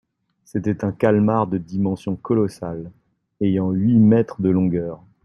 C'était un calmar de dimensions colossales, ayant huit mètres de longueur.